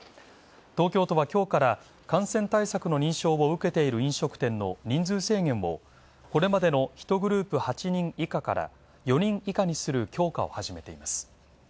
東京都は今日から感染対策の認証を受けている飲食店の人数制限をこれまでの１グループ８人以下から４人以下にする強化を始めています。